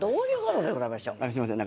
すいません。